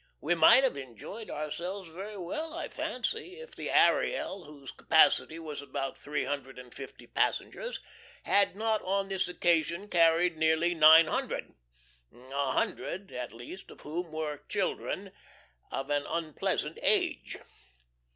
We might have enjoyed ourselves very well, I fancy, if the Ariel, whose capacity was about three hundred and fifty passengers, had not on this occasion carried nearly nine hundred, a hundred, at least of whom were children of an unpleasant age.